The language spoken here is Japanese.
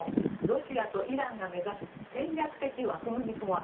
ロシアとイランが目指す戦略的枠組みとは。